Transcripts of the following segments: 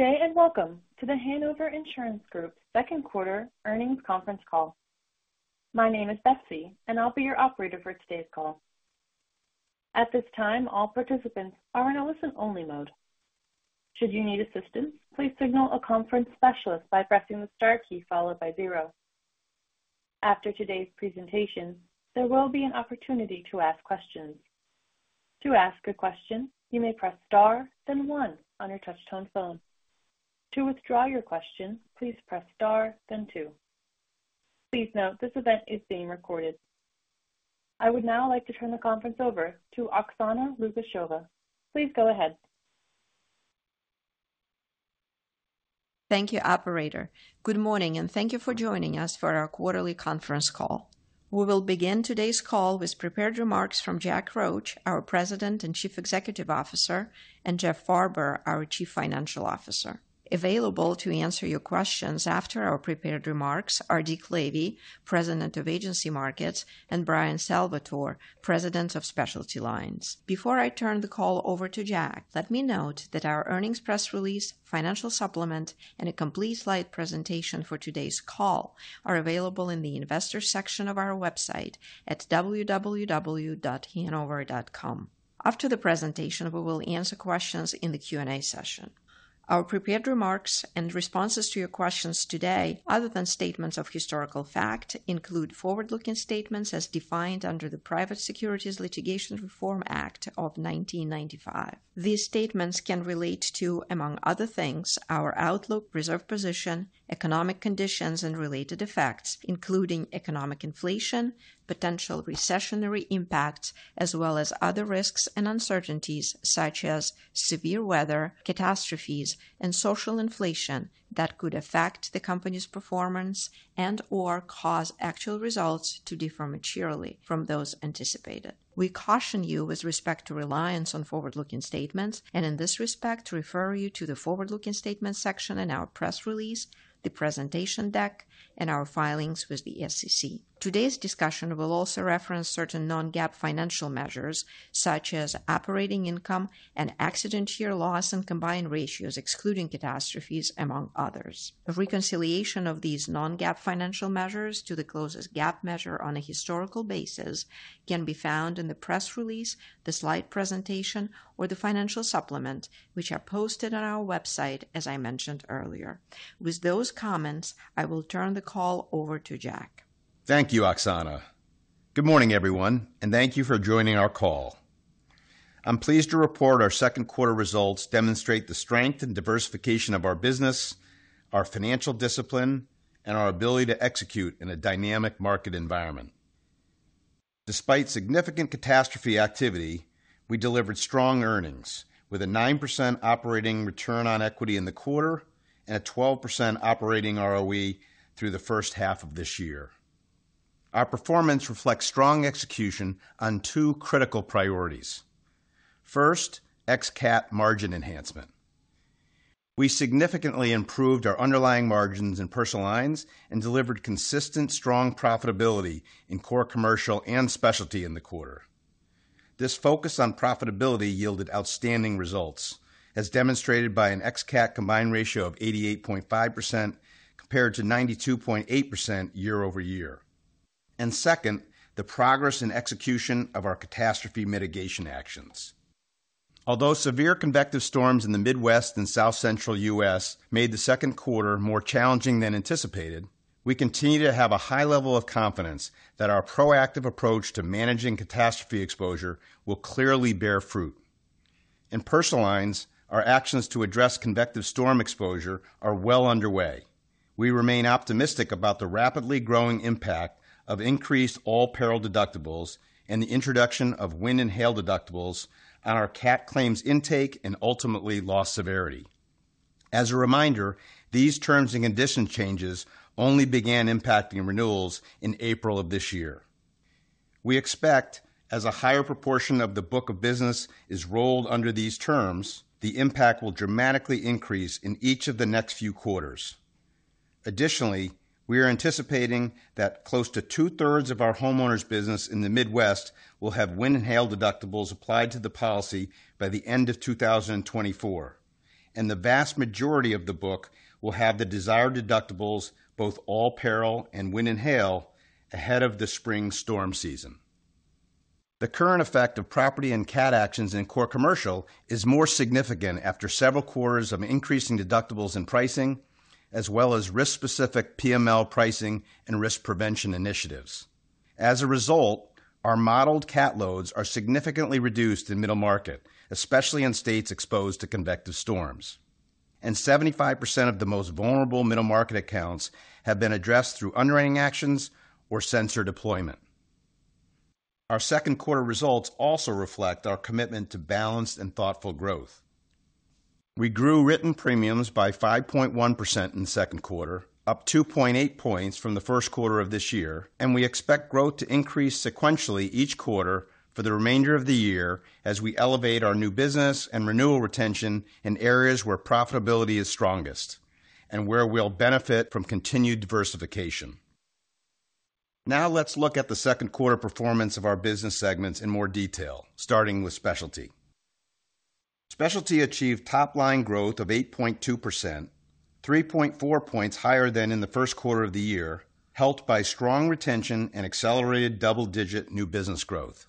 Good day and welcome to The Hanover Insurance Group's Q2 earnings conference call. My name is Betsy and I'll be your operator for today's call. At this time, all participants are in a listen-only mode. Should you need assistance, please signal a conference specialist by pressing the star key followed by zero. After today's presentation, there will be an opportunity to ask questions. To ask a question, you may press star, then one on your touch-tone phone. To withdraw your question, please press star, then two. Please note this event is being recorded. I would now like to turn the conference over to Oksana Lukasheva. Please go ahead. Thank you, operator. Good morning and thank you for joining us for our quarterly conference call. We will begin today's call with prepared remarks from Jack Roche, our President and Chief Executive Officer and Jeff Farber, our Chief Financial Officer. Available to answer your questions after our prepared remarks are Dick Lavey, President of Agency Markets and Bryan Salvatore, President of Specialty Lines. Before I turn the call over to Jack, let me note that our earnings press release, financial supplement and a complete slide presentation for today's call are available in the investor section of our website at www.hanover.com. After the presentation, we will answer questions in the Q&A session. Our prepared remarks and responses to your questions today, other than statements of historical fact include forward-looking statements as defined under the Private Securities Litigation Reform Act of 1995. These statements can relate to, among other things, our outlook, reserve position, economic conditions and related effects, including economic inflation, potential recessionary impacts, as well as other risks and uncertainties such as severe weather, catastrophes and social inflation that could affect the company's performance and/or cause actual results to differ materially from those anticipated. We caution you with respect to reliance on forward-looking statements and in this respect, refer you to the forward-looking statements section in our press release, the presentation deck and our filings with the SEC. Today's discussion will also reference certain Non-GAAP financial measures such as operating income and accident-year loss and combined ratios, excluding catastrophes, among others. A reconciliation of these non-GAAP financial measures to the closest GAAP measure on a historical basis can be found in the press release, the slide presentation, or the financial supplement, which are posted on our website, as I mentioned earlier. With those comments, I will turn the call over to Jack. Thank you, Oksana. Good morning, everyone and thank you for joining our call. I'm pleased to report our Q2 results demonstrate the strength and diversification of our business, our financial discipline and our ability to execute in a dynamic market environment. Despite significant catastrophe activity, we delivered strong earnings with a 9% operating return on equity in the quarter and a 12% operating ROE through the H1 of this year. Our performance reflects strong execution on two critical priorities. First, ex-CAT margin enhancement. We significantly improved our underlying margins and personal lines and delivered consistent, strong profitability in core commercial and specialty in the quarter. This focus on profitability yielded outstanding results, as demonstrated by an ex-CAT combined ratio of 88.5% compared to 92.8% year-over-year and second, the progress in execution of our catastrophe mitigation actions. Although severe convective storms in the Midwest and South Central US made the Q2 more challenging than anticipated, we continue to have a high level of confidence that our proactive approach to managing catastrophe exposure will clearly bear fruit. In personal lines, our actions to address convective storm exposure are well underway. We remain optimistic about the rapidly growing impact of increased all-peril deductibles and the introduction of wind and hail deductibles on our CAT claims intake and ultimately loss severity. As a reminder, these terms and conditions changes only began impacting renewals in April of this year. We expect as a higher proportion of the book of business is rolled under these terms, the impact will dramatically increase in each of the next few quarters. Additionally, we are anticipating that close to two-thirds of our Homeowners business in the Midwest will have wind and hail deductibles applied to the policy by the end of 2024 and the vast majority of the book will have the desired deductibles, both all-peril and wind and hail, ahead of the spring storm season. The current effect of property and CAT actions in Core Commercial is more significant after several quarters of increasing deductibles and pricing, as well as risk-specific PML pricing and risk prevention initiatives. As a result, our modeled CAT loads are significantly reduced in middle market, especially in states exposed to convective storms. 75% of the most vulnerable middle market accounts have been addressed through underwriting actions or sensor deployment. Our Q2 results also reflect our commitment to balanced and thoughtful growth. We grew written premiums by 5.1% in the Q2, up 2.8 points from the Q1 of this year and we expect growth to increase sequentially each quarter for the remainder of the year as we elevate our new business and renewal retention in areas where profitability is strongest and where we'll benefit from continued diversification. Now let's look at the Q2 performance of our business segments in more detail, starting with specialty. Specialty achieved top-line growth of 8.2%, 3.4 points higher than in the Q1 of the year, helped by strong retention and accelerated double-digit new business growth.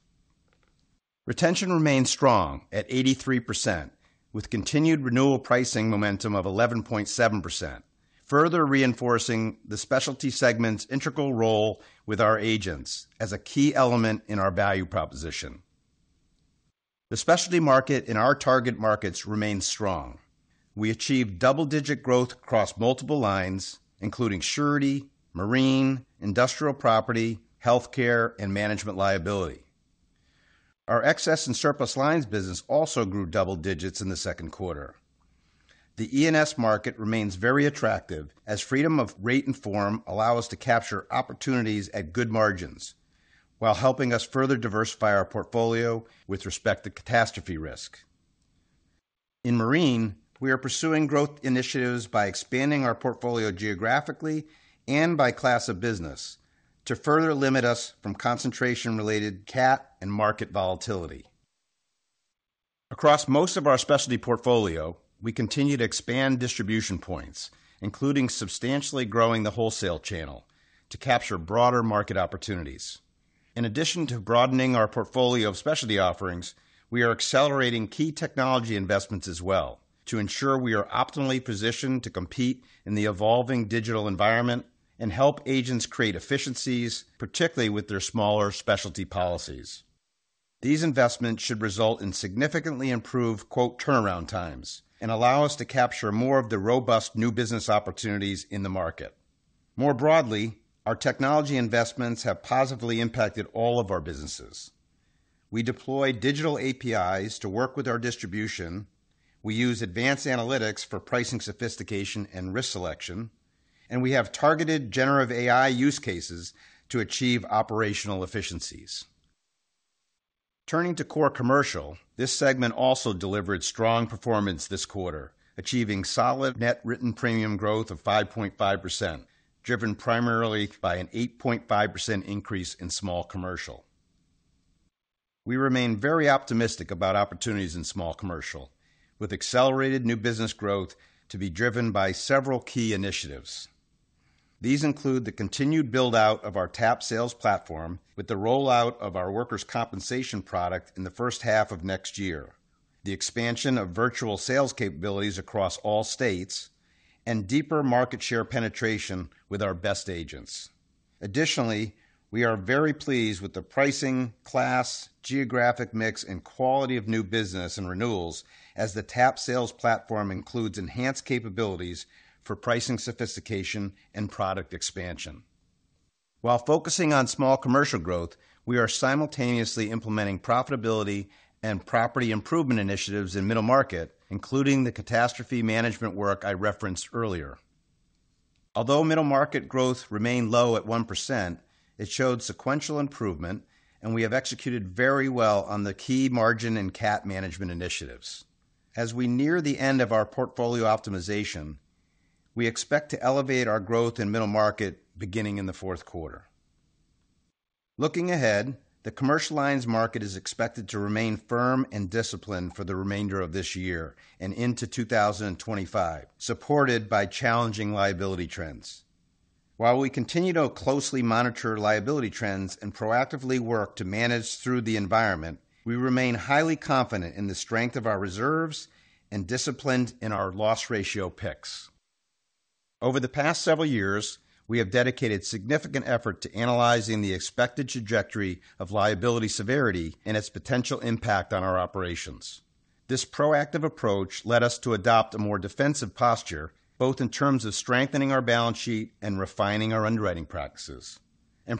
Retention remained strong at 83%, with continued renewal pricing momentum of 11.7%, further reinforcing the specialty segment's integral role with our agents as a key element in our value proposition. The specialty market in our target markets remained strong. We achieved double-digit growth across multiple lines, including surety, marine, industrial property, healthcare and management liability. Our excess and surplus lines business also grew double digits in the Q2. The E&S market remains very attractive as freedom of rate and form allows us to capture opportunities at good margins while helping us further diversify our portfolio with respect to catastrophe risk. In marine, we are pursuing growth initiatives by expanding our portfolio geographically and by class of business to further limit us from concentration-related CAT and market volatility. Across most of our specialty portfolio, we continue to expand distribution points, including substantially growing the wholesale channel to capture broader market opportunities. In addition to broadening our portfolio of specialty offerings, we are accelerating key technology investments as well to ensure we are optimally positioned to compete in the evolving digital environment and help agents create efficiencies, particularly with their smaller specialty policies. These investments should result in significantly improved "turnaround times" and allow us to capture more of the robust new business opportunities in the market. More broadly, our technology investments have positively impacted all of our businesses. We deploy digital APIs to work with our distribution. We use advanced analytics for pricing sophistication and risk selection and we have targeted generative AI use cases to achieve operational efficiencies. Turning to Core Commercial, this segment also delivered strong performance this quarter, achieving solid net written premium growth of 5.5%, driven primarily by an 8.5% increase in small commercial. We remain very optimistic about opportunities in small commercial, with accelerated new business growth to be driven by several key initiatives. These include the continued build-out of our TAP Sales Platform with the rollout of our Workers' Compensation product in the H1 of next year, the expansion of virtual sales capabilities across all states and deeper market share penetration with our best agents. Additionally, we are very pleased with the pricing, class, geographic mix and quality of new business and renewals as the TAP Sales Platform includes enhanced capabilities for pricing sophistication and product expansion. While focusing on small commercial growth, we are simultaneously implementing profitability and property improvement initiatives in middle market, including the catastrophe management work I referenced earlier. Although middle market growth remained low at 1%, it showed sequential improvement and we have executed very well on the key margin and CAT management initiatives. As we near the end of our portfolio optimization, we expect to elevate our growth in middle market beginning in the Q4. Looking ahead, the commercial lines market is expected to remain firm and disciplined for the remainder of this year and into 2025, supported by challenging liability trends. While we continue to closely monitor liability trends and proactively work to manage through the environment, we remain highly confident in the strength of our reserves and disciplined in our loss ratio picks. Over the past several years, we have dedicated significant effort to analyzing the expected trajectory of liability severity and its potential impact on our operations. This proactive approach led us to adopt a more defensive posture, both in terms of strengthening our balance sheet and refining our underwriting practices.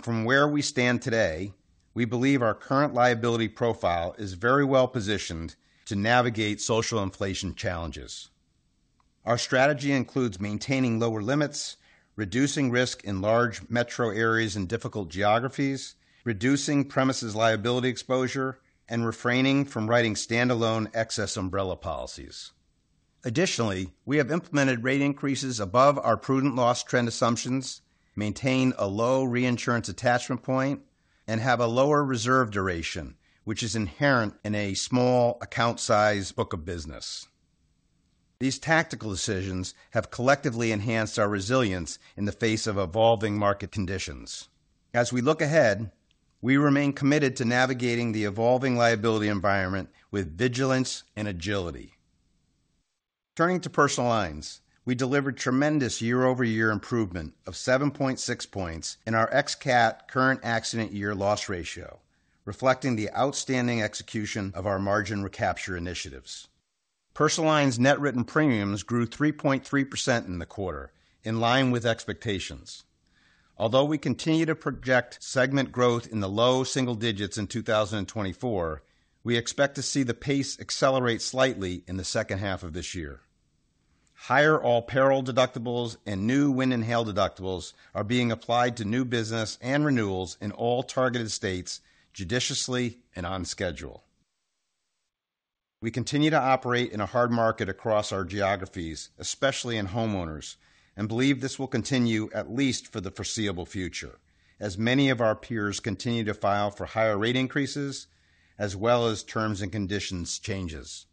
From where we stand today, we believe our current liability profile is very well positioned to navigate social inflation challenges. Our strategy includes maintaining lower limits, reducing risk in large metro areas and difficult geographies, reducing premises liability exposure and refraining from writing standalone excess umbrella policies. Additionally, we have implemented rate increases above our prudent loss trend assumptions, maintain a low reinsurance attachment point and have a lower reserve duration, which is inherent in a small account size book of business. These tactical decisions have collectively enhanced our resilience in the face of evolving market conditions. As we look ahead, we remain committed to navigating the evolving liability environment with vigilance and agility. Turning to personal lines, we delivered tremendous year-over-year improvement of 7.6 points in our XCAT current accident-year loss ratio, reflecting the outstanding execution of our margin recapture initiatives. Personal Lines net written premiums grew 3.3% in the quarter, in line with expectations. Although we continue to project segment growth in the low single digits in 2024, we expect to see the pace accelerate slightly in the H2 of this year. Higher all-peril deductibles and new wind and hail deductibles are being applied to new business and renewals in all targeted states judiciously and on schedule. We continue to operate in a hard market across our geographies, especially in homeowners and believe this will continue at least for the foreseeable future, as many of our peers continue to file for higher rate increases as well as terms and conditions changes.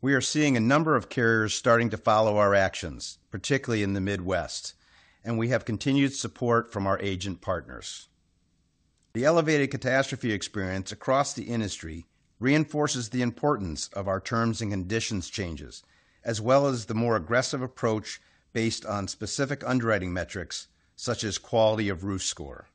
We are seeing a number of carriers starting to follow our actions, particularly in the Midwest and we have continued support from our agent partners. The elevated catastrophe experience across the industry reinforces the importance of our terms and conditions changes, as well as the more aggressive approach based on specific underwriting metrics such as quality of roof score.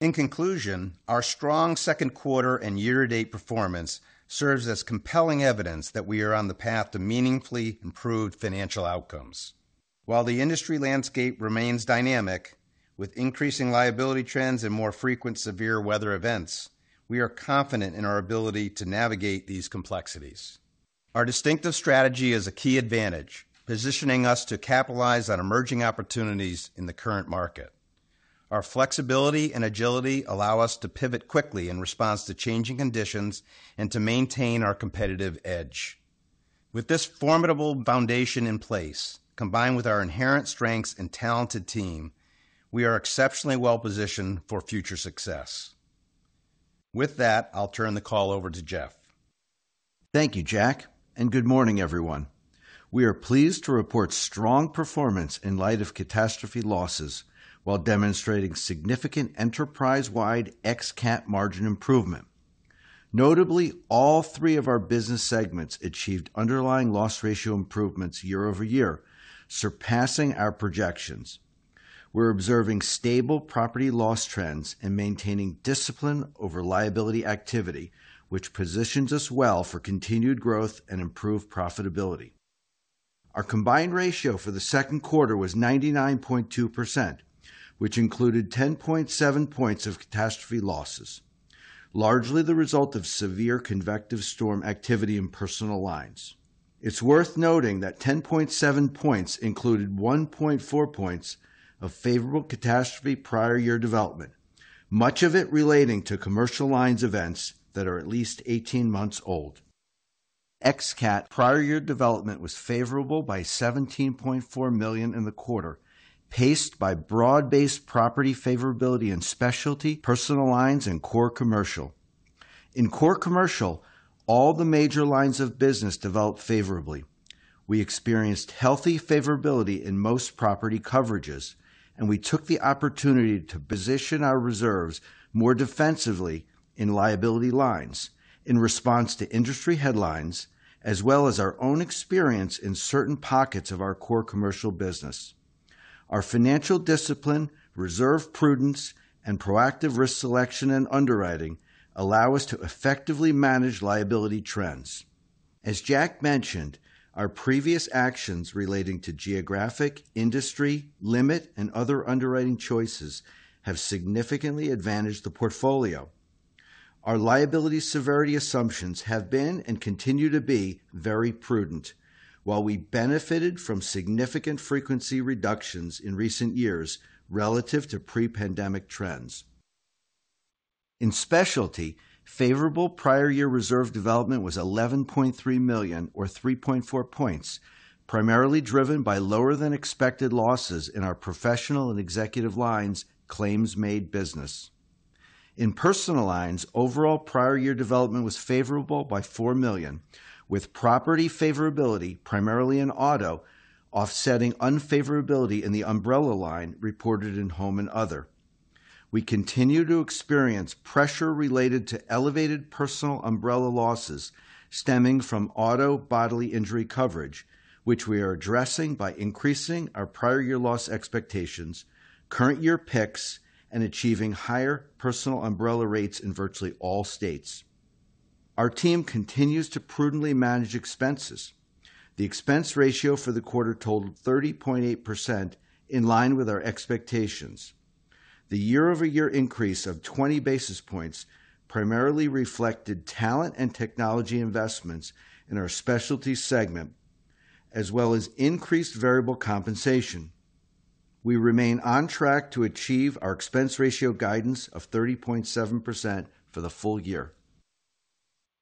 In conclusion, our strong Q2 and year-to-date performance serves as compelling evidence that we are on the path to meaningfully improved financial outcomes. While the industry landscape remains dynamic, with increasing liability trends and more frequent severe weather events, we are confident in our ability to navigate these complexities. Our distinctive strategy is a key advantage, positioning us to capitalize on emerging opportunities in the current market. Our flexibility and agility allow us to pivot quickly in response to changing conditions and to maintain our competitive edge. With this formidable foundation in place, combined with our inherent strengths and talented team, we are exceptionally well positioned for future success. With that, I'll turn the call over to Jeff. Thank you, jack and Good Morning, everyone. We are pleased to report strong performance in light of catastrophe losses while demonstrating significant enterprise-wide XCAT margin improvement. Notably, all three of our business segments achieved underlying loss ratio improvements year-over-year, surpassing our projections. We're observing stable property loss trends and maintaining discipline over liability activity, which positions us well for continued growth and improved profitability. Our combined ratio for the Q2 was 99.2%, which included 10.7 points of catastrophe losses, largely the result of severe convective storm activity in personal lines. It's worth noting that 10.7 points included 1.4 points of favorable catastrophe prior year development, much of it relating to commercial lines events that are at least 18 months old. XDATE prior year development was favorable by $17.4 million in the quarter, paced by broad-based property favorability in Specialty, Personal lines and Core Commercial. In Core Commercial, all the major lines of business developed favorably. We experienced healthy favorability in most property coverages and we took the opportunity to position our reserves more defensively in liability lines in response to industry headlines, as well as our own experience in certain pockets of our Core Commercial business. Our financial discipline, reserve prudence and proactive risk selection and underwriting allow us to effectively manage liability trends. As Jack mentioned, our previous actions relating to geographic, industry, limit and other underwriting choices have significantly advantaged the portfolio. Our liability severity assumptions have been and continue to be very prudent, while we benefited from significant frequency reductions in recent years relative to pre-pandemic trends. In Specialty, favorable prior year reserve development was $11.3 million or 3.4 points, primarily driven by lower-than-expected losses in our professional and executive lines claims-made business. In Personal Lines, overall prior year development was favorable by $4 million, with property favorability, primarily in Auto, offsetting unfavorability in the Umbrella line reported in Home and other. We continue to experience pressure related to elevated Personal Umbrella losses stemming from Auto bodily injury coverage, which we are addressing by increasing our prior year loss expectations, current year picks and achieving higher Personal Umbrella rates in virtually all states. Our team continues to prudently manage expenses. The expense ratio for the quarter totaled 30.8%, in line with our expectations. The year-over-year increase of 20 basis points primarily reflected talent and technology investments in our Specialty segment, as well as increased variable compensation. We remain on track to achieve our expense ratio guidance of 30.7% for the full year.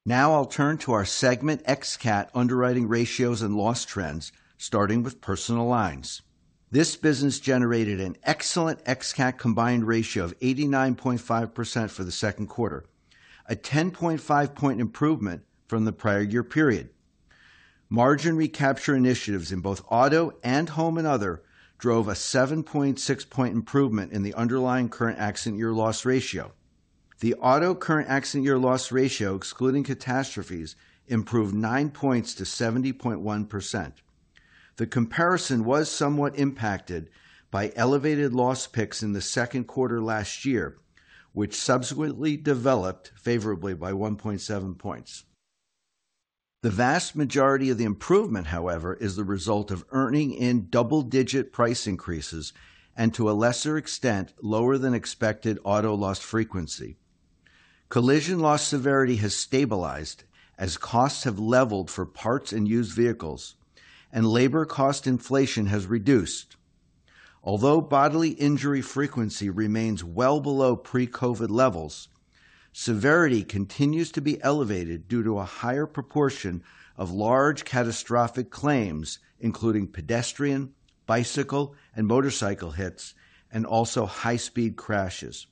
Now I'll turn to our segment XCAT underwriting ratios and loss trends, starting with Personal Lines. This business generated an excellent XCAT combined ratio of 89.5% for the Q2, a 10.5-point improvement from the prior year period. Margin recapture initiatives in both Auto and Homeowners and Other drove a 7.6-point improvement in the underlying current accident-year loss ratio. The Auto current accident-year loss ratio, excluding catastrophes, improved 9 points to 70.1%. The comparison was somewhat impacted by elevated loss picks in the Q2 last year, which subsequently developed favorably by 1.7 points. The vast majority of the improvement, however, is the result of earning in double-digit price increases and, to a lesser extent, lower-than-expected Auto loss frequency. Collision loss severity has stabilized as costs have leveled for parts and used vehicles and labor cost inflation has reduced. Although bodily injury frequency remains well below pre-COVID levels, severity continues to be elevated due to a higher proportion of large catastrophic claims, including pedestrian, bicycle and motorcycle hits and also high-speed crashes.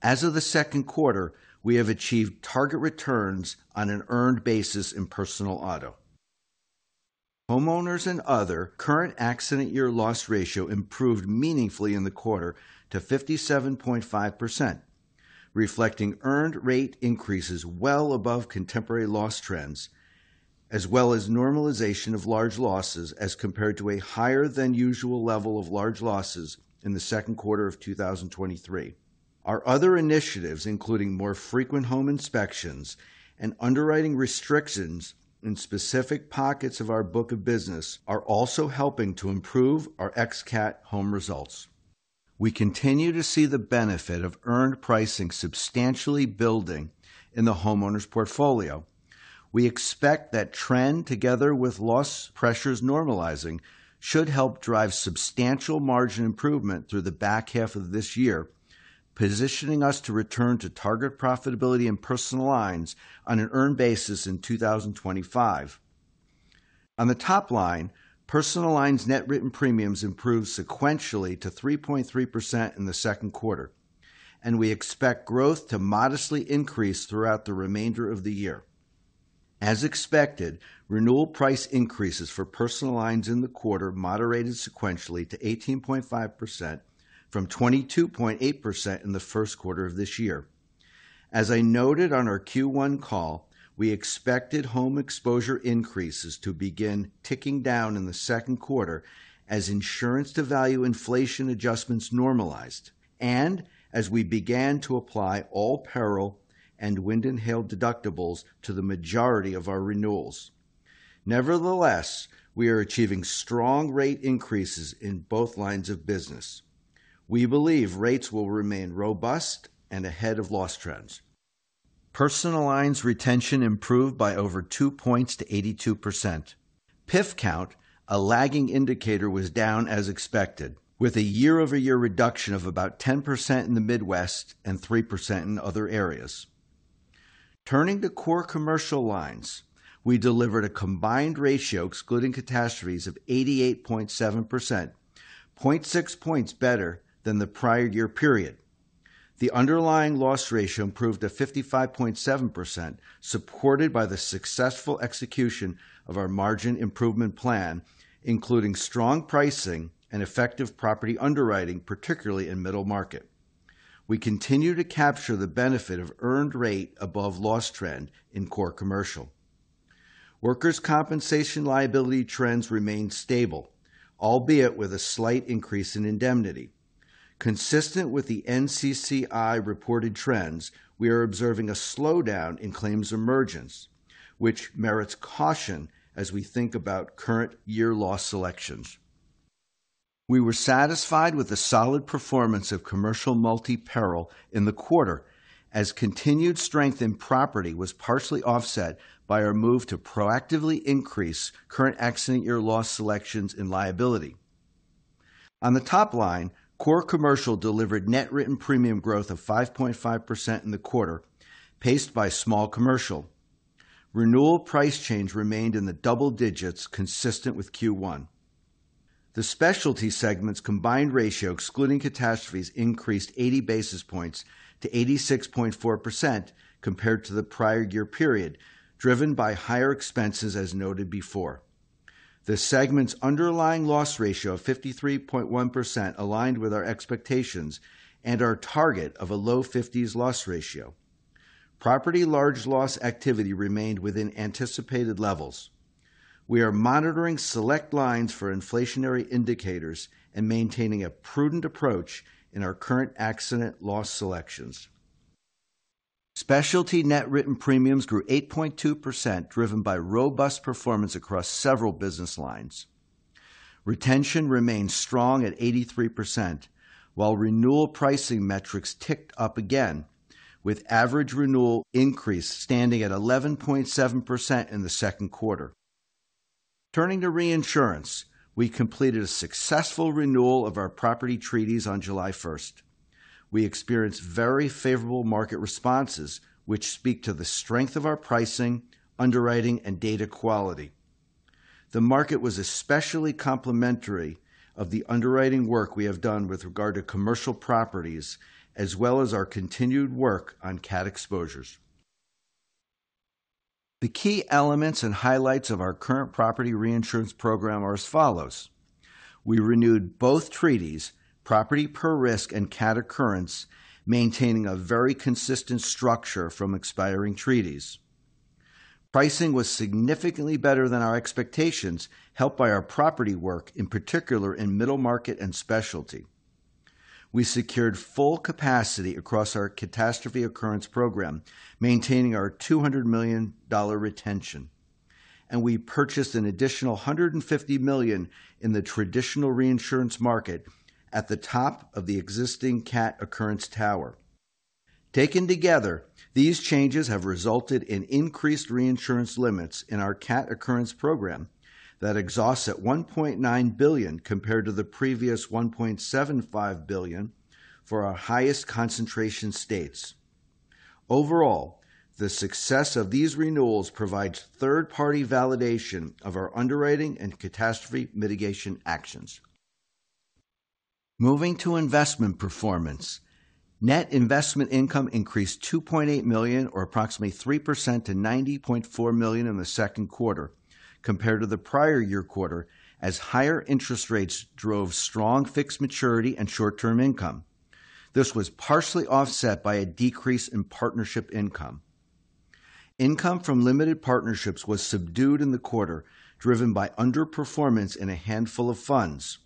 As of the Q2, we have achieved target returns on an earned basis in personal auto. Homeowners and other current accident-year loss ratio improved meaningfully in the quarter to 57.5%, reflecting earned rate increases well above contemporary loss trends, as well as normalization of large losses as compared to a higher-than-usual level of large losses in the Q2 of 2023. Our other initiatives, including more frequent home inspections and underwriting restrictions in specific pockets of our book of business, are also helping to improve our XCAT home results. We continue to see the benefit of earned pricing substantially building in the homeowners' portfolio. We expect that trend, together with loss pressures normalizing, should help drive substantial margin improvement through the back half of this year, positioning us to return to target profitability in personal lines on an earned basis in 2025. On the top line, personal lines net written premiums improved sequentially to 3.3% in the q2 and we expect growth to modestly increase throughout the remainder of the year. As expected, renewal price increases for personal lines in the quarter moderated sequentially to 18.5% from 22.8% in the Q1 of this year. As I noted on our Q1 call, we expected home exposure increases to begin ticking down in the Q2 as insurance-to-value inflation adjustments normalized and as we began to apply all-peril and wind and hail deductibles to the majority of our renewals. Nevertheless, we are achieving strong rate increases in both lines of business. We believe rates will remain robust and ahead of loss trends. Personal Lines retention improved by over 2 points to 82%. PIF count, a lagging indicator, was down as expected, with a year-over-year reduction of about 10% in the Midwest and 3% in other areas. Turning to Core Commercial lines, we delivered a Combined Ratio excluding catastrophes of 88.7%, 0.6 points better than the prior year period. The underlying loss ratio improved to 55.7%, supported by the successful execution of our margin improvement plan, including strong pricing and effective property underwriting, particularly in middle market. We continue to capture the benefit of earned rate above loss trend in Core Commercial. Workers' Compensation liability trends remain stable, albeit with a slight increase in indemnity. Consistent with the NCCI reported trends, we are observing a slowdown in claims emergence, which merits caution as we think about current year loss selections. We were satisfied with the solid performance of Commercial Multi-Peril in the quarter, as continued strength in property was partially offset by our move to proactively increase current accident-year loss selections in liability. On the top line, Core Commercial delivered net written premium growth of 5.5% in the quarter, paced by small commercial. Renewal price change remained in the double digits, consistent with Q1. The specialty segment's combined ratio excluding catastrophes increased 80 basis points to 86.4% compared to the prior year period, driven by higher expenses as noted before. The segment's underlying loss ratio of 53.1% aligned with our expectations and our target of a low 50s loss ratio. Property large loss activity remained within anticipated levels. We are monitoring select lines for inflationary indicators and maintaining a prudent approach in our current accident loss selections. Specialty net written premiums grew 8.2%, driven by robust performance across several business lines. Retention remained strong at 83%, while renewal pricing metrics ticked up again, with average renewal increase standing at 11.7% in the Q2. Turning to reinsurance, we completed a successful renewal of our property treaties on July 1st. We experienced very favorable market responses, which speak to the strength of our pricing, underwriting and data quality. The market was especially complimentary of the underwriting work we have done with regard to commercial properties, as well as our continued work on CAT exposures. The key elements and highlights of our current property reinsurance program are as follows. We renewed both treaties, Property Per Risk and CAT Occurrence, maintaining a very consistent structure from expiring treaties. Pricing was significantly better than our expectations, helped by our property work, in particular in middle market and Specialty. We secured full capacity across our Catastrophe Occurrence program, maintaining our $200 million retention and we purchased an additional $150 million in the traditional reinsurance market at the top of the existing CAT Occurrence tower. Taken together, these changes have resulted in increased reinsurance limits in our CAT Occurrence program that exhaust at $1.9 billion compared to the previous $1.75 billion for our highest concentration states. Overall, the success of these renewals provides third-party validation of our underwriting and catastrophe mitigation actions. Moving to investment performance, net investment income increased $2.8 million, or approximately 3%, to $90.4 million in the Q2 compared to the prior year quarter, as higher interest rates drove strong fixed maturity and short-term income. This was partially offset by a decrease in partnership income. Income from limited partnerships was subdued in the quarter, driven by underperformance in a handful of funds.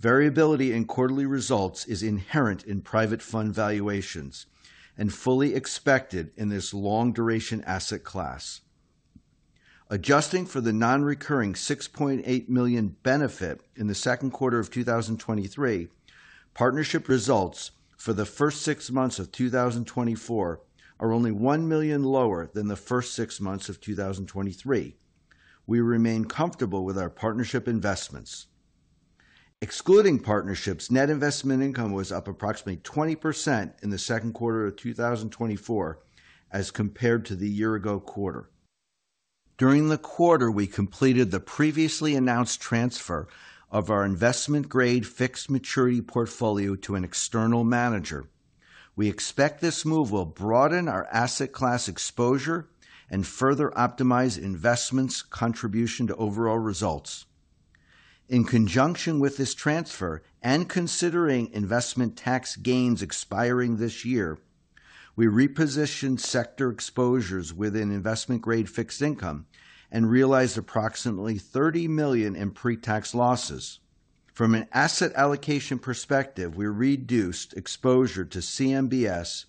Variability in quarterly results is inherent in private fund valuations and fully expected in this long-duration asset class. Adjusting for the non-recurring $6.8 million benefit in the Q2 of 2023, partnership results for the first six months of 2024 are only $1 million lower than the first six months of 2023. We remain comfortable with our partnership investments. Excluding partnerships, net investment income was up approximately 20% in the Q2 of 2024 as compared to the year-ago quarter. During the quarter, we completed the previously announced transfer of our investment-grade fixed maturity portfolio to an external manager. We expect this move will broaden our asset class exposure and further optimize investment's contribution to overall results. In conjunction with this transfer and considering investment tax gains expiring this year, we repositioned sector exposures within investment-grade fixed income and realized approximately $30 million in pre-tax losses. From an asset allocation perspective, we reduced exposure to CMBS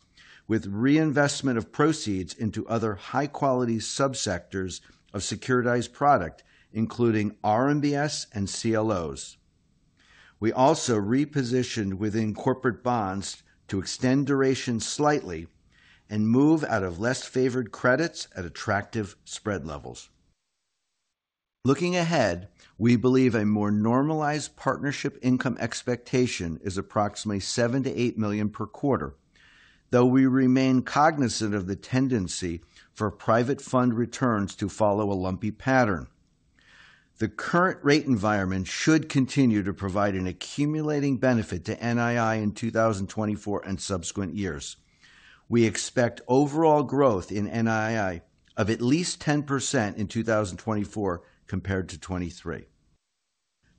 with reinvestment of proceeds into other high-quality subsectors of securitized product, including RMBS and CLOs. We also repositioned within corporate bonds to extend duration slightly and move out of less favored credits at attractive spread levels. Looking ahead, we believe a more normalized partnership income expectation is approximately $7 million-$8 million per quarter, though we remain cognizant of the tendency for private fund returns to follow a lumpy pattern. The current rate environment should continue to provide an accumulating benefit to NII in 2024 and subsequent years. We expect overall growth in NII of at least 10% in 2024 compared to 2023.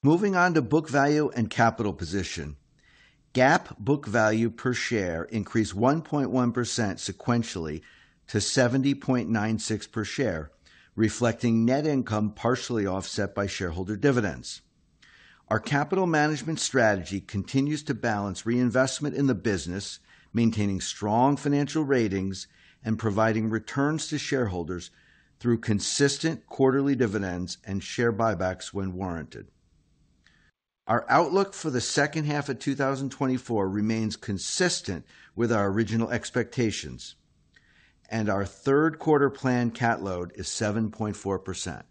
Moving on to book value and capital position, GAAP book value per share increased 1.1% sequentially to $70.96 per share, reflecting net income partially offset by shareholder dividends. Our capital management strategy continues to balance reinvestment in the business, maintaining strong financial ratings and providing returns to shareholders through consistent quarterly dividends and share buybacks when warranted. Our outlook for the H2 of 2024 remains consistent with our original expectations and our Q3 planned CAT load is 7.4%.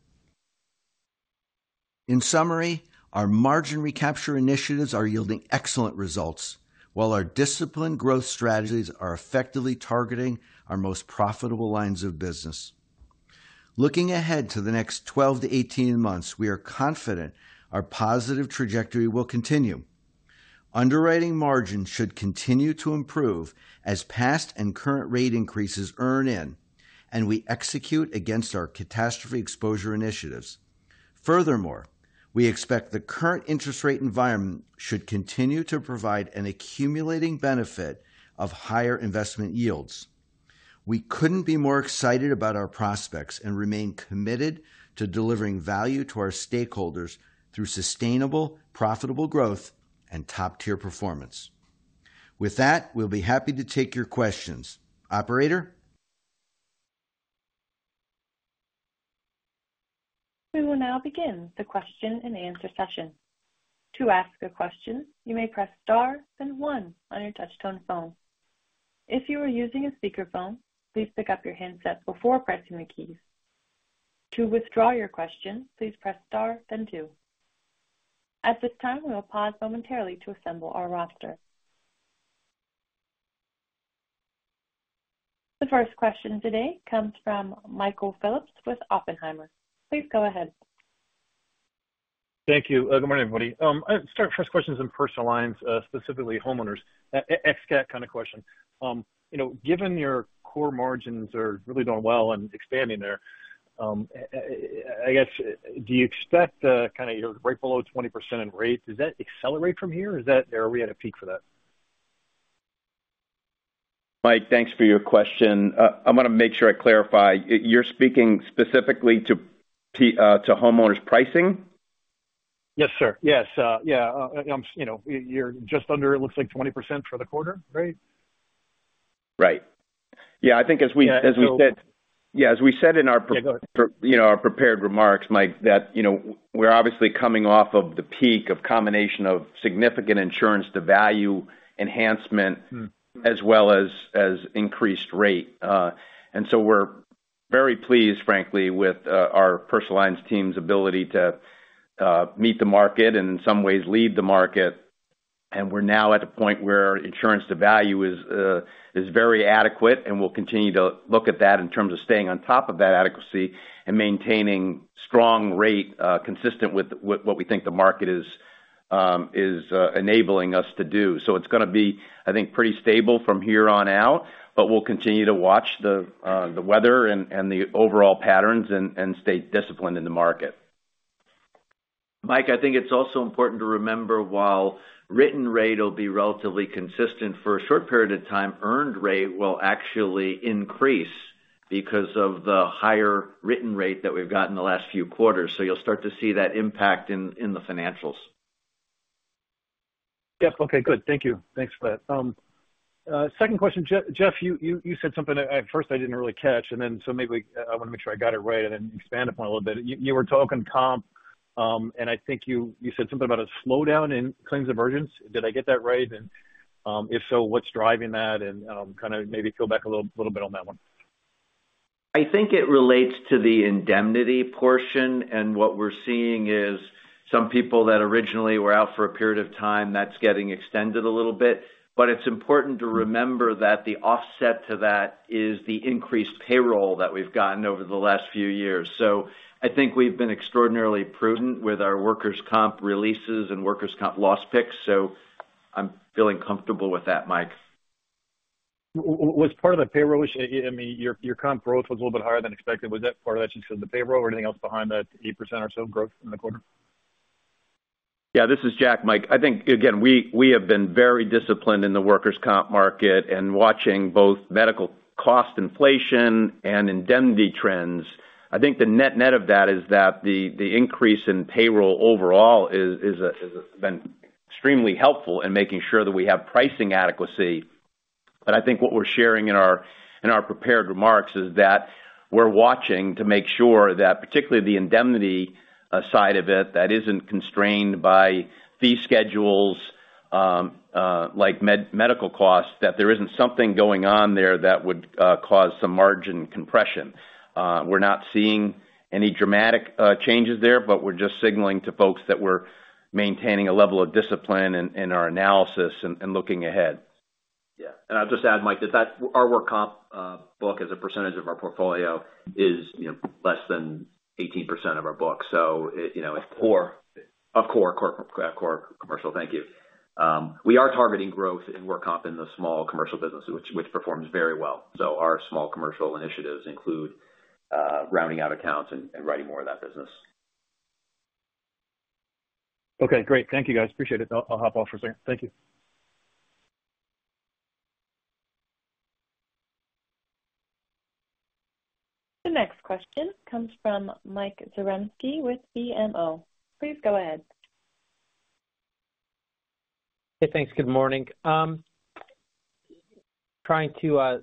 In summary, our margin recapture initiatives are yielding excellent results, while our disciplined growth strategies are effectively targeting our most profitable lines of business. Looking ahead to the next 12-18 months, we are confident our positive trajectory will continue. Underwriting margins should continue to improve as past and current rate increases earn in and we execute against our catastrophe exposure initiatives. Furthermore, we expect the current interest rate environment should continue to provide an accumulating benefit of higher investment yields. We couldn't be more excited about our prospects and remain committed to delivering value to our stakeholders through sustainable, profitable growth and top-tier performance. With that, we'll be happy to take your questions, Operator. We will now begin the question and answer session. To ask a question, you may press star then one on your touchtone phone. If you are using a speakerphone, please pick up your handset before pressing the keys. To withdraw your question, please press star then two. At this time, we will pause momentarily to assemble our roster. The first question today comes from Michael Phillips with Oppenheimer. Please go ahead. Thank you. Good morning, everybody. I'll start with the first question in personal lines, specifically homeowners, XCAT kind of question. Given your core margins are really doing well and expanding there, I guess, do you expect kind of you're right below 20% in rates? Does that accelerate from here? Is that there? Are we at a peak for that? Mike, thanks for your question. I want to make sure I clarify. You're speaking specifically to homeowners' pricing? Yes, You're just under, it looks like 20% for the quarter, right? Right. I think as we said as we said in our prepared remarks, Mike, that we're obviously coming off of the peak of a combination of significant insurance-to-value enhancement as well as increased rate. We're very pleased, frankly, with our Personal Lines team's ability to meet the market and in some ways lead the market. We're now at a point where insurance-to-value is very adequate and we'll continue to look at that in terms of staying on top of that adequacy and maintaining strong rate consistent with what we think the market is enabling us to do. It's going to be, I think, pretty stable from here on out, but we'll continue to watch the weather and the overall patterns and stay disciplined in the market. Mike, I think it's also important to remember while written rate will be relatively consistent for a short period of time, earned rate will actually increase because of the higher written rate that we've gotten the last few quarters. So you'll start to see that impact in the financials. Yep. Okay. Good. Thank you. Thanks for that. Second question, Jeff, you said something at first I didn't really catch and then so maybe I want to make sure I got it right and then expand upon it a little bit. You were talking comp and I think you said something about a slowdown in claims emergence. Did I get that right? And if so, what's driving that? And kind of maybe peel back a little bit on that one. I think it relates to the indemnity portion and what we're seeing is some people that originally were out for a period of time, that's getting extended a little bit. But it's important to remember that the offset to that is the increased payroll that we've gotten over the last few years. So I think we've been extraordinarily prudent with our workers' comp releases and workers' comp loss picks. So I'm feeling comfortable with that, Mike. Was part of the payroll issue? I mean, workers' comp growth was a little bit higher than expected. Was that part of that just because of the payroll or anything else behind that 8% or so growth in the quarter? This is Jack, Mike. I think, again, we have been very disciplined in the workers' comp market and watching both medical cost inflation and indemnity trends.I think the net-net of that is that the increase in payroll overall has been extremely helpful in making sure that we have pricing adequacy. But I think what we're sharing in our prepared remarks is that we're watching to make sure that particularly the indemnity side of it that isn't constrained by fee schedules like medical costs, that there isn't something going on there that would cause some margin compression. We're not seeing any dramatic changes there, but we're just signaling to folks that we're maintaining a level of discipline in our analysis and looking ahead. And I'll just add, Mike, that our work comp book as a percentage of our portfolio is less than 18% of our book. So it's Core Commercial. Thank you. We are targeting growth in work comp in the small commercial business, which performs very well. So our small commercial initiatives include rounding out accounts and writing more of that business. Okay. Great. Thank you, guys. Appreciate it. I'll hop off for a second. Thank you. The next question comes from Mike Zaremski with BMO. Please go ahead. Hey, thanks. Good morning. Trying to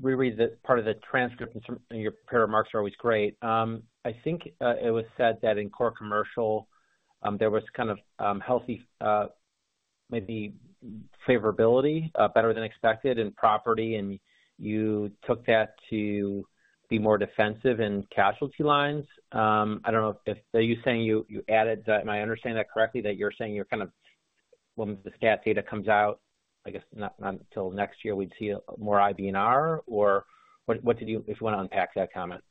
reread part of the transcript. Your prepared remarks are always great. I think it was said that in Core Commercial, there was kind of healthy maybe favorability, better than expected in property and you took that to be more defensive in casualty lines. I don't know if are you saying you added - am I understanding that correctly? - that you're saying you're kind of when the stat data comes out, I guess not until next year we'd see more IBNR, or what did you - if you want to unpack that comment.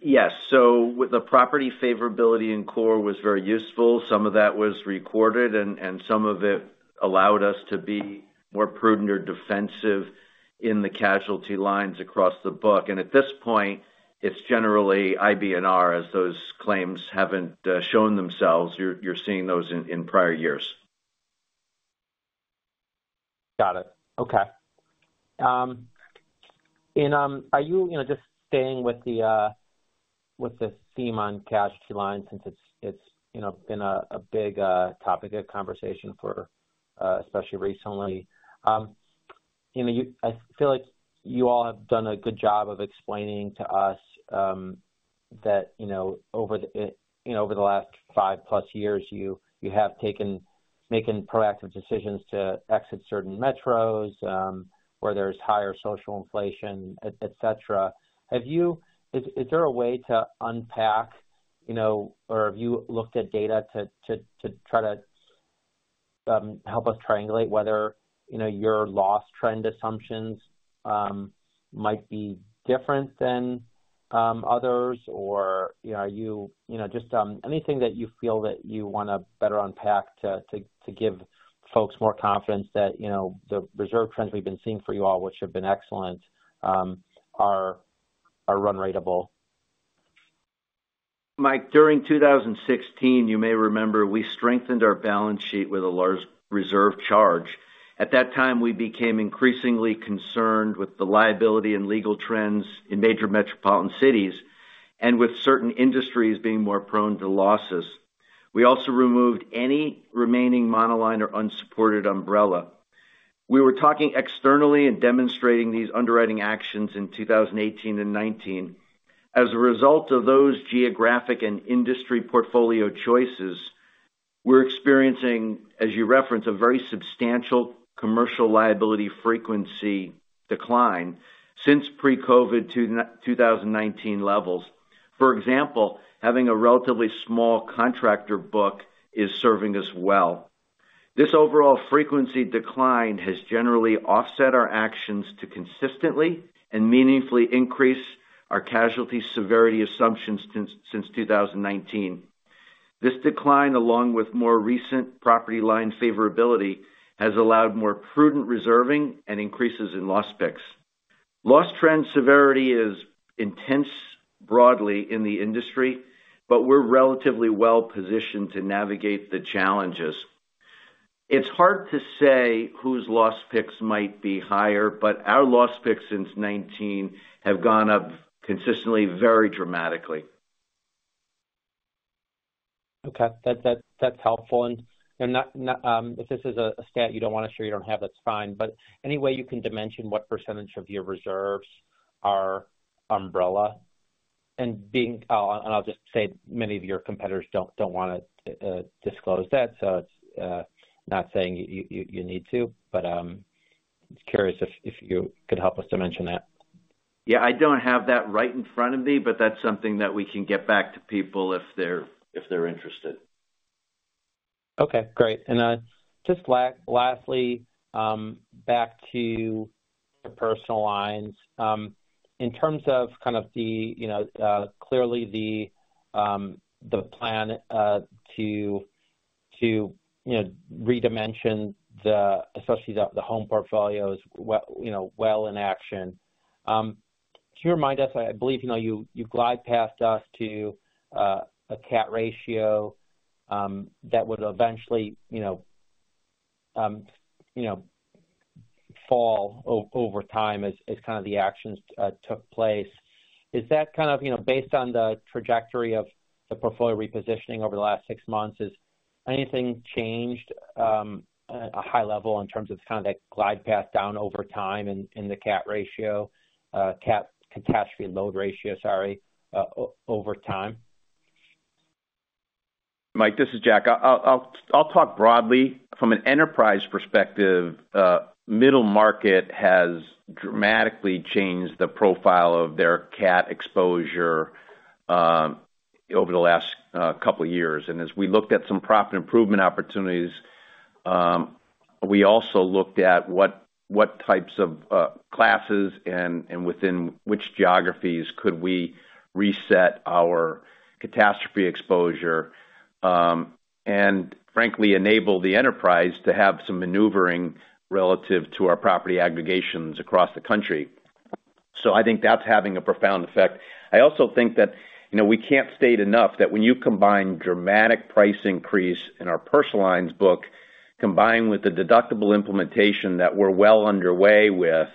Yes. So with the property favorability in Core was very useful. Some of that was recorded and some of it allowed us to be more prudent or defensive in the casualty lines across the book and at this point, it's generally IBNR as those claims haven't shown themselves. You're seeing those in prior years. Got it. okay and are you just staying with the theme on casualty lines since it's been a big topic of conversation for especially recently? I feel like you all have done a good job of explaining to us that over the last five-plus years, you have taken making proactive decisions to exit certain metros where there's higher social inflation, etc. Is there a way to unpack, or have you looked at data to try to help us triangulate whether your loss trend assumptions might be different than others, or are you just anything that you feel that you want to better unpack to give folks more confidence that the reserve trends we've been seeing for you all, which have been excellent are run ratable? Mike, during 2016 you may remember we strengthened our balance sheet with a large reserve charge. At that time, we became increasingly concerned with the liability and legal trends in major metropolitan cities and with certain industries being more prone to losses. We also removed any remaining monoline or unsupported umbrella. We were talking externally and demonstrating these underwriting actions in 2018 and 2019. As a result of those geographic and industry portfolio choices, we're experiencing, as you reference a very substantial commercial liability frequency decline since pre-COVID to 2019 levels. For example, having a relatively small contractor book is serving us well. This overall frequency decline has generally offset our actions to consistently and meaningfully increase our casualty severity assumptions since 2019. This decline, along with more recent property line favorability, has allowed more prudent reserving and increases in loss picks. Loss trend severity is intense broadly in the industry, but we're relatively well positioned to navigate the challenges. It's hard to say whose loss picks might be higher, but our loss picks since 2019 have gone up consistently very dramatically. Okay. That's helpful and if this is a stat, you don't want to share you don't have, that's fine. But any way you can dimension what percentage of your reserves are umbrella? I'll just say many of your competitors don't want to disclose that, so it's not saying you need to, but curious if you could help us to mention that. I don't have that right in front of me, but that's something that we can get back to people if they're interested. Okay. Great. Just lastly, back to personal lines. In terms of kind of clearly the plan to redimension especially the homeowners portfolio well in action, can you remind us? I believe you glide past us to a CAT ratio that would eventually fall over time as kind of the actions took place. Is that kind of based on the trajectory of the portfolio repositioning over the last six months? Has anything changed at a high level in terms of kind of that glide path down over time in the CAT ratio, CAT catastrophe load ratio, sorry, over time? Mike, this is Jack. I'll talk broadly. From an enterprise perspective, middle market has dramatically changed the profile of their CAT exposure over the last couple of years. As we looked at some profit improvement opportunities, we also looked at what types of classes and within which geographies could we reset our catastrophe exposure and, frankly, enable the enterprise to have some maneuvering relative to our property aggregations across the country. I think that's having a profound effect. I also think that we can't state enough that when you combine dramatic price increase in our personal lines book, combined with the deductible implementation that we're well underway with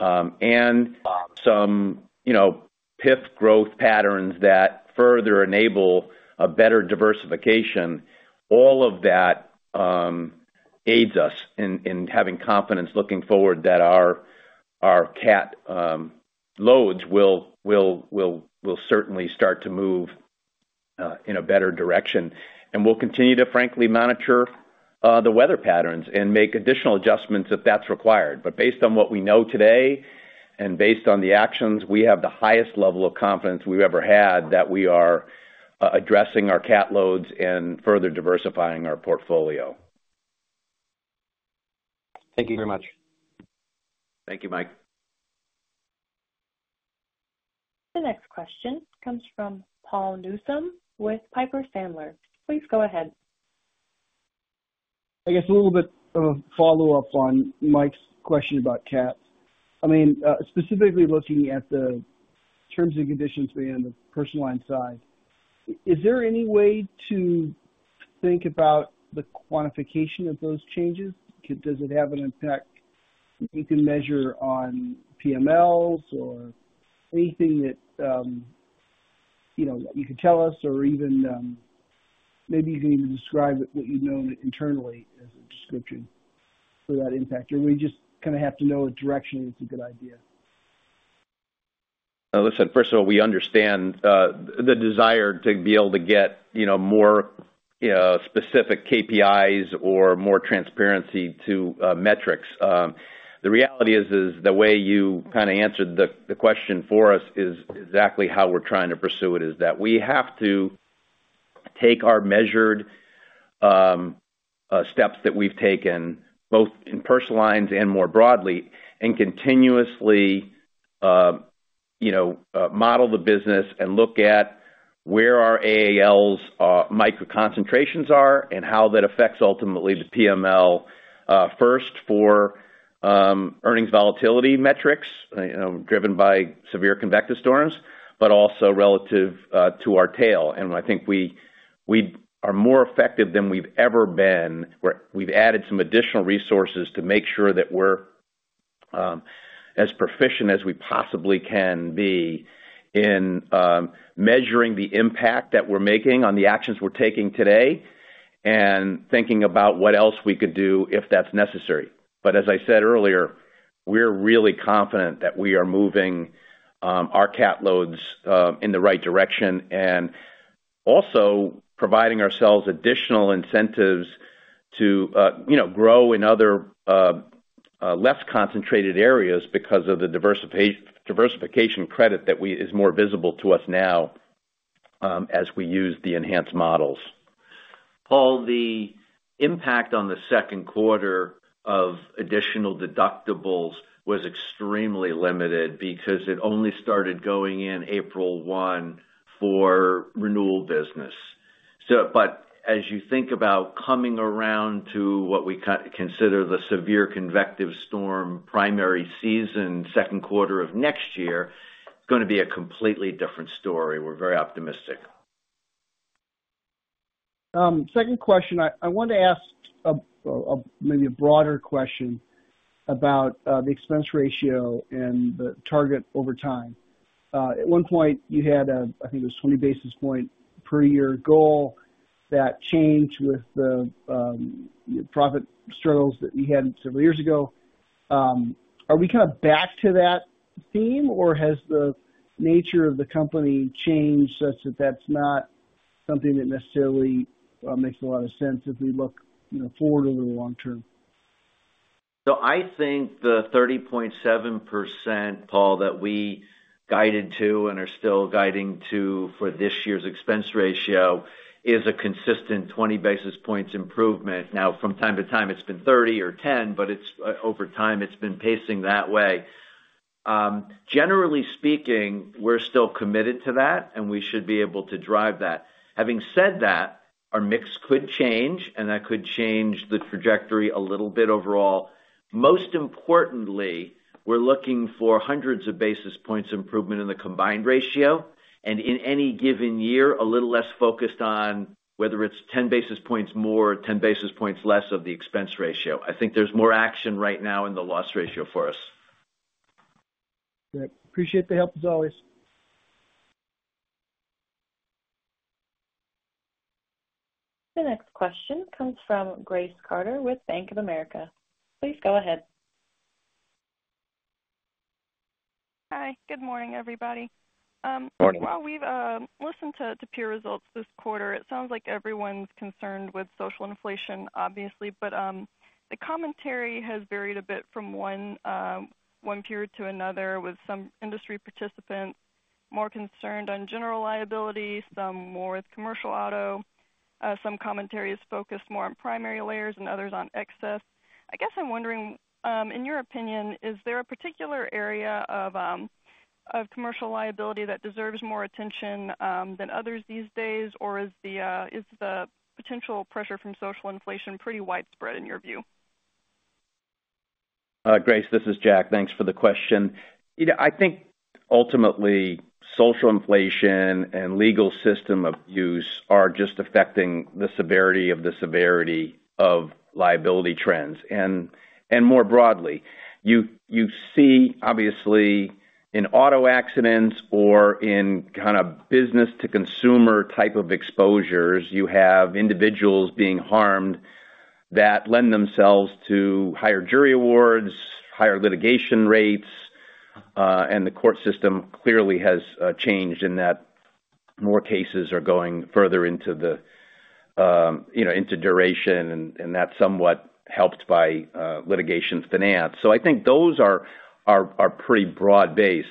and some PIF growth patterns that further enable a better diversification, all of that aids us in having confidence looking forward that our CAT loads will certainly start to move in a better direction. We'll continue to, frankly, monitor the weather patterns and make additional adjustments if that's required. But based on what we know today and based on the actions, we have the highest level of confidence we've ever had that we are addressing our CAT loads and further diversifying our portfolio. Thank you very much. Thank you, Mike. The next question comes from Paul Newsome with Piper Sandler. Please go ahead. I guess a little bit of a follow-up on Mike's question about CAT. I mean, specifically looking at the terms and conditions being on the personal line side, is there any way to think about the quantification of those changes? Does it have an impact you can measure on PMLs or anything that you can tell us, or even maybe you can even describe what you've known internally as a description for that impact? Or we just kind of have to know a direction that's a good idea? Listen, first of all, we understand the desire to be able to get more specific KPIs or more transparency to metrics. The reality is the way you kind of answered the question for us is exactly how we're trying to pursue it, is that we have to take our measured steps that we've taken, both in personal lines and more broadly and continuously model the business and look at where our AALs' micro concentrations are and how that affects ultimately the PML first for earnings volatility metrics driven by severe convective storms but also relative to our tail and I think we are more effective than we've ever been. We've added some additional resources to make sure that we're as proficient as we possibly can be in measuring the impact that we're making on the actions we're taking today and thinking about what else we could do if that's necessary. But as I said earlier, we're really confident that we are moving our CAT loads in the right direction and also providing ourselves additional incentives to grow in other less concentrated areas because of the diversification credit that is more visible to us now as we use the enhanced models. Paul, the impact on the Q2 of additional deductibles was extremely limited because it only started going in April 1 for renewal business. But as you think about coming around to what we consider the severe convective storm primary season Q2 of next year, it's going to be a completely different story. We're very optimistic. Second question, I want to ask maybe a broader question about the expense ratio and the target over time. At one point, you had a, I think it was 20 basis points per year goal that changed with the profit struggles that you had several years ago. Are we kind of back to that theme, or has the nature of the company changed such that that's not something that necessarily makes a lot of sense if we look forward over the long term? So I think the 30.7%, Paul, that we guided to and are still guiding to for this year's expense ratio is a consistent 20 basis points improvement. Now, from time to time, it's been 30 or 10, but over time, it's been pacing that way. Generally speaking, we're still committed to that and we should be able to drive that. Having said that, our mix could change and that could change the trajectory a little bit overall. Most importantly, we're looking for hundreds of basis points improvement in the combined ratio and in any given year, a little less focused on whether it's 10 basis points more or 10 basis points less of the expense ratio. I think there's more action right now in the loss ratio for us. Appreciate the help as always. The next question comes from Grace Carter with Bank of America. Please go ahead. Hi. Good morning, everybody. Morning. While we've listened to peer results this quarter, it sounds like everyone's concerned with social inflation, obviously, but the commentary has varied a bit from one peer to another, with some industry participants more concerned on general liability, some more with commercial auto. Some commentary is focused more on primary layers and others on excess. I guess I'm wondering, in your opinion, is there a particular area of commercial liability that deserves more attention than others these days, or is the potential pressure from social inflation pretty widespread in your view? Grace, this is Jack. Thanks for the question. I think ultimately, social inflation and legal system abuse are just affecting the severity of the severity of liability trends and more broadly, you see, obviously, in auto accidents or in kind of business-to-consumer type of exposures, you have individuals being harmed that lend themselves to higher jury awards, higher litigation rates and the court system clearly has changed in that more cases are going further into duration and that's somewhat helped by litigation finance. So I think those are pretty broad-based.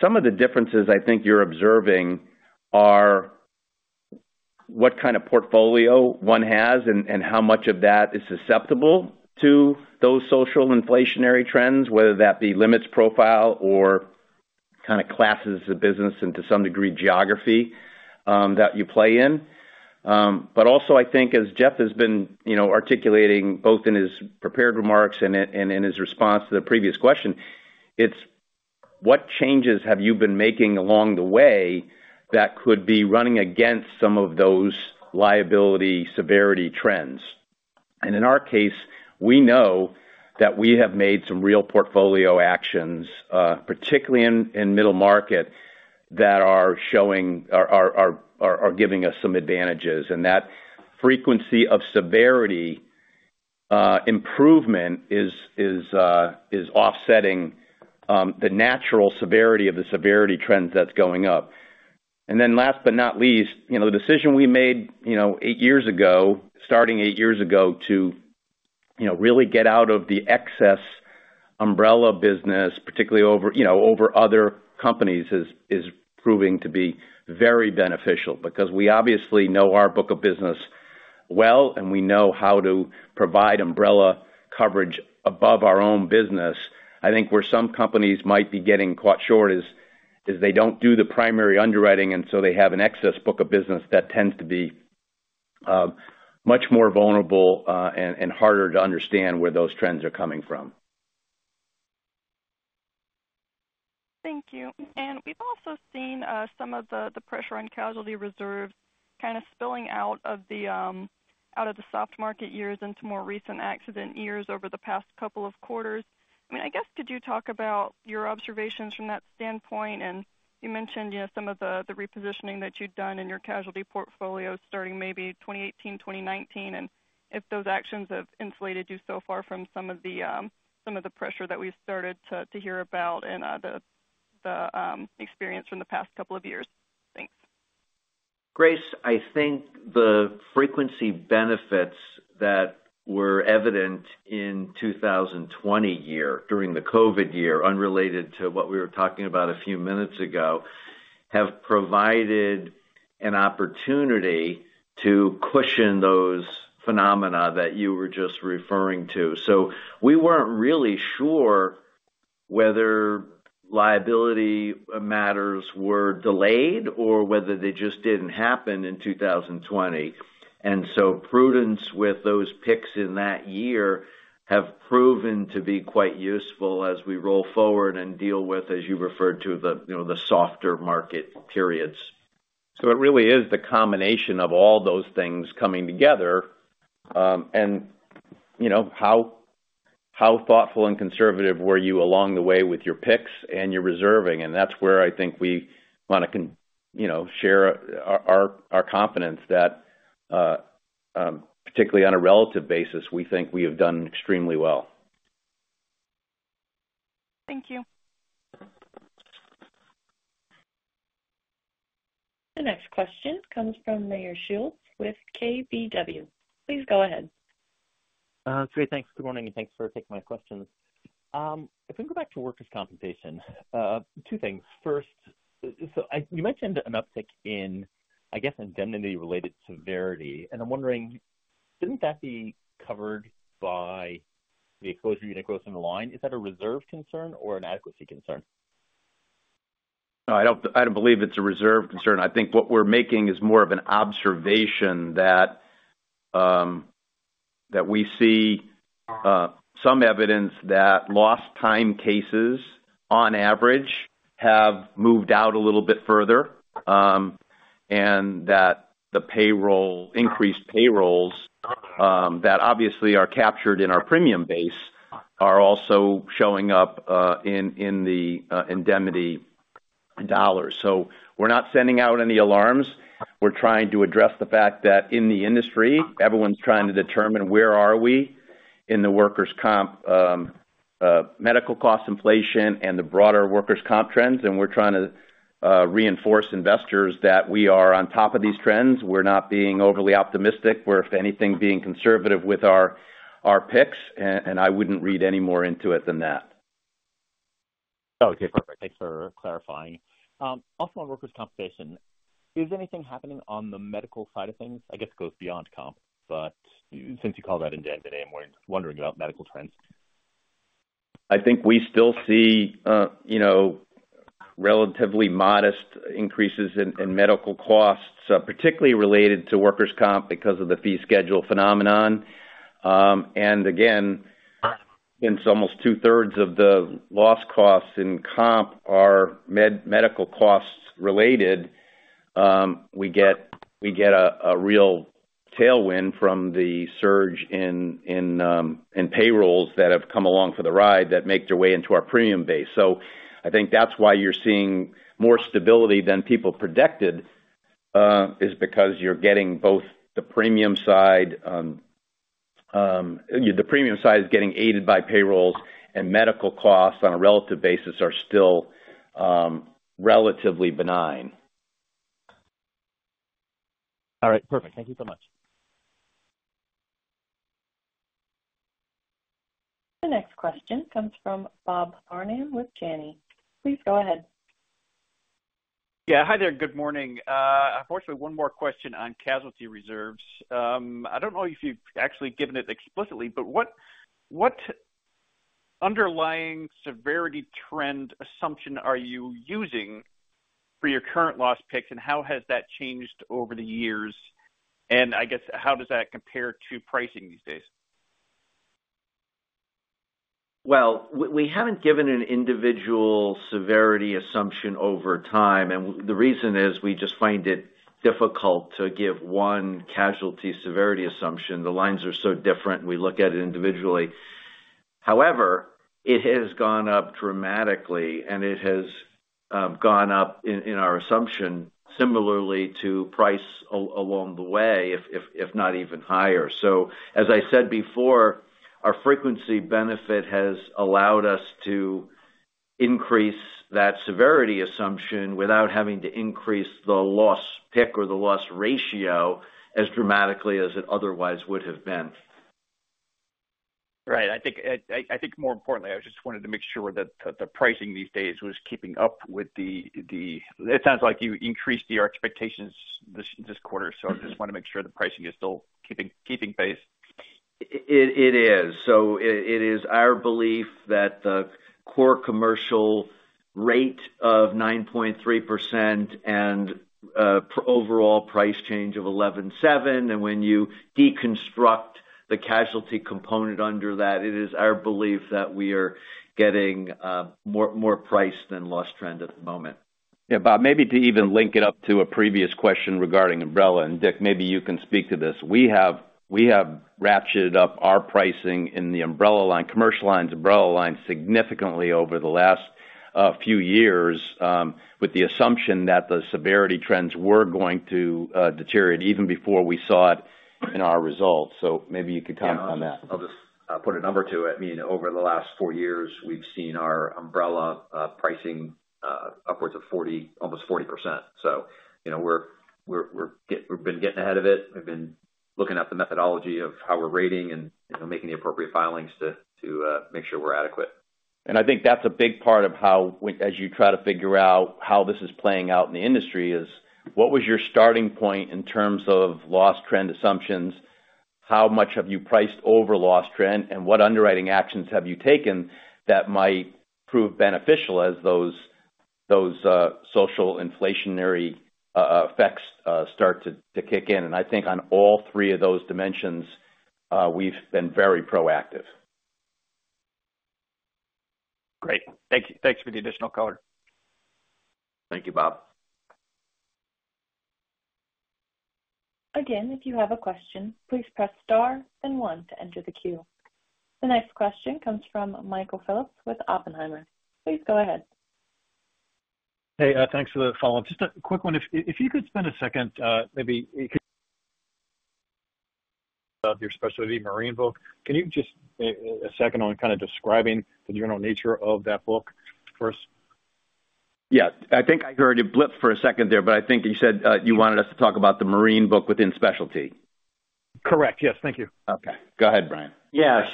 Some of the differences I think you're observing are what kind of portfolio one has and how much of that is susceptible to those social inflationary trends, whether that be limits profile or kind of classes of business and to some degree geography that you play in. But also, I think, as Jeff has been articulating both in his prepared remarks and in his response to the previous question, it's what changes have you been making along the way that could be running against some of those liability severity trends? And in our case, we know that we have made some real portfolio actions, particularly in middle market, that are giving us some advantages and that frequency of severity improvement is offsetting the natural severity of the severity trend that's going up. And then last but not least, the decision we made 8 years ago, starting 8 years ago, to really get out of the excess umbrella business, particularly over other companies, is proving to be very beneficial because we obviously know our book of business well and we know how to provide umbrella coverage above our own business. I think where some companies might be getting caught short is they don't do the primary underwriting and so they have an excess book of business that tends to be much more vulnerable and harder to understand where those trends are coming from. Thank you and we've also seen some of the pressure on casualty reserves kind of spilling out of the soft market years into more recent accident years over the past couple of quarters. I mean, I guess, could you talk about your observations from that standpoint? You mentioned some of the repositioning that you've done in your casualty portfolio starting maybe 2018, 2019 and if those actions have insulated you so far from some of the pressure that we've started to hear about and the experience from the past couple of years? Thanks. Grace, I think the frequency benefits that were evident in the 2020 year during the COVID year, unrelated to what we were talking about a few minutes ago, have provided an opportunity to cushion those phenomena that you were just referring to. So we weren't really sure whether liability matters were delayed or whether they just didn't happen in 2020. So prudence with those picks in that year have proven to be quite useful as we roll forward and deal with, as you referred to, the softer market periods. So it really is the combination of all those things coming together and how thoughtful and conservative were you along the way with your picks and your reserving and that's where I think we want to share our confidence that, particularly on a relative basis, we think we have done extremely well. Thank you. The next question comes from Meyer Shields with KBW. Please go ahead. Great. Thanks. Good morning. Thanks for taking my questions. If we can go back to workers' compensation, two things. First, you mentioned an uptick in, I guess, indemnity-related severity and I'm wondering, didn't that be covered by the exposure unit growth in the line? Is that a reserve concern or an adequacy concern? No, I don't believe it's a reserve concern. I think what we're making is more of an observation that we see some evidence that lost time cases, on average, have moved out a little bit further and that the increased payrolls that obviously are captured in our premium base are also showing up in the indemnity dollars. So we're not sending out any alarms. We're trying to address the fact that in the industry, everyone's trying to determine where are we in the workers' comp medical cost inflation and the broader workers' comp trends and we're trying to reinforce investors that we are on top of these trends. We're not being overly optimistic. We're, if anything, being conservative with our picks and I wouldn't read any more into it than that. Okay. Perfect. Thanks for clarifying. Also, on workers' compensation, is anything happening on the medical side of things? I guess it goes beyond comp, but since you call that indemnity, I'm wondering about medical trends. I think we still see relatively modest increases in medical costs, particularly related to workers' comp because of the fee schedule phenomenon and again, since almost two-thirds of the loss costs in comp are medical costs related, we get a real tailwind from the surge in payrolls that have come along for the ride that make their way into our premium base. So I think that's why you're seeing more stability than people predicted, is because you're getting both the premium side the premium side is getting aided by payrolls and medical costs on a relative basis are still relatively benign. All right. Perfect. Thank you so much. The next question comes from Bob Farnam with Janney. Please go ahead. Hi there. Good morning. Unfortunately, one more question on casualty reserves. I don't know if you've actually given it explicitly, but what underlying severity trend assumption are you using for your current loss picks and how has that changed over the years? And I guess, how does that compare to pricing these days? Well, we haven't given an individual severity assumption over time and the reason is we just find it difficult to give one casualty severity assumption. The lines are so different. We look at it individually. However, it has gone up dramatically and it has gone up in our assumption, similarly to price along the way, if not even higher. So as I said before, our frequency benefit has allowed us to increase that severity assumption without having to increase the loss pick or the loss ratio as dramatically as it otherwise would have been. Right. I think more importantly, I just wanted to make sure that the pricing these days was keeping up with the. It sounds like you increased your expectations this quarter, so I just want to make sure the pricing is still keeping pace. It is. So it is our belief that the core commercial rate of 9.3% and overall price change of 11.7% and when you deconstruct the casualty component under that, it is our belief that we are getting more price than loss trend at the moment. Bob, maybe to even link it up to a previous question regarding umbrella and Dick, maybe you can speak to this. We have ratcheted up our pricing in the commercial lines umbrella line significantly over the last few years with the assumption that the severity trends were going to deteriorate even before we saw it in our results. So maybe you could comment on that. I'll just put a number to it. I mean, over the last four years, we've seen our umbrella pricing upwards of almost 40%. So we've been getting ahead of it. We've been looking at the methodology of how we're rating and making the appropriate filings to make sure we're adequate. And I think that's a big part of how, as you try to figure out how this is playing out in the industry, is what was your starting point in terms of loss trend assumptions? How much have you priced over loss trend and what underwriting actions have you taken that might prove beneficial as those social inflationary effects start to kick in? And I think on all three of those dimensions, we've been very proactive. Great. Thanks for the additional color. Thank you, Bob. Again, if you have a question, please press star then one to enter the queue. The next question comes from Michael Phillips with Oppenheimer. Please go ahead. Hey, thanks for the follow-up. Just a quick one. If you could spend a second, maybe you could of your specialty marine book. Can you just spend a second on kind of describing the general nature of that book first? I think I heard you blip for a second there, but I think you said you wanted us to talk about the marine book within specialty. Correct. Yes. Thank you. Okay. Go ahead, Bryan.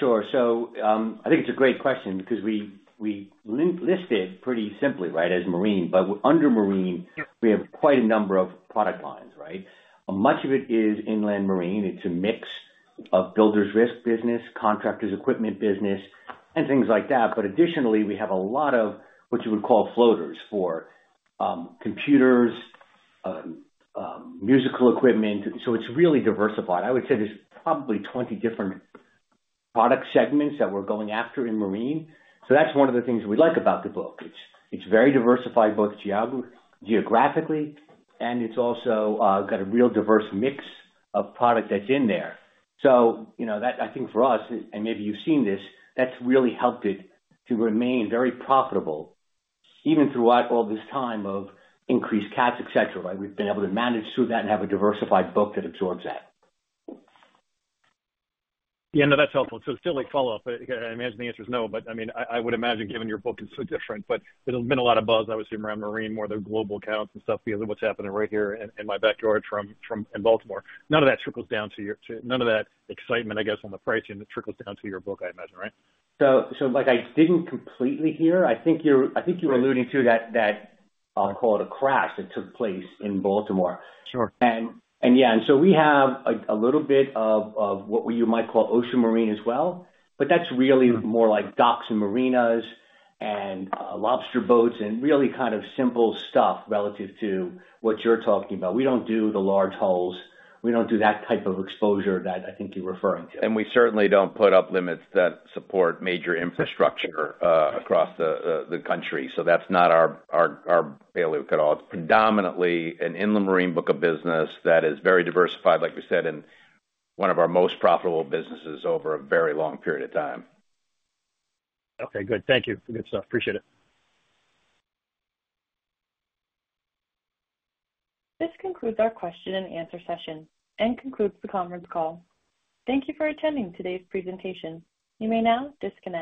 Sure. So I think it's a great question because we list it pretty simply, right, as marine. But under marine, we have quite a number of product lines, right? Much of it is inland marine. It's a mix of builder's risk business contractor's equipment business and things like that. But additionally, we have a lot of what you would call floaters for computers, musical equipment. So it's really diversified. I would say there's probably 20 different product segments that we're going after in marine. So that's one of the things we like about the book. It's very diversified both geographically and it's also got a real diverse mix of product that's in there. So I think for us and maybe you've seen this, that's really helped it to remain very profitable even throughout all this time of increased CATs etc., right? We've been able to manage through that and have a diversified book that absorbs that. No, that's helpful. So still a follow-up. I imagine the answer is no, but I mean, I would imagine given your book is so different, but there's been a lot of buzz, obviously around marine more of the global accounts and stuff because of what's happening right here in my backyard in Baltimore. None of that trickles down to your none of that excitement, I guess, on the pricing that trickles down to your book, I imagine, right? So I didn't completely hear. I think you were alluding to that, I'll call it a crash that took place in Baltimore. And so we have a little bit of what you might call ocean marine as well, but that's really more like docks and marinas and lobster boats and really kind of simple stuff relative to what you're talking about. We don't do the large hauls. We don't do that type of exposure that I think you're referring to. And we certainly don't put up limits that support major infrastructure across the country. So that's not our bailout at all. It's predominantly an inland marine book of business that is very diversified, like you said and one of our most profitable businesses over a very long period of time. Okay. Good. Thank you. Good stuff. Appreciate it. This concludes our question and answer session and concludes the conference call. Thank you for attending today's presentation. You may now disconnect.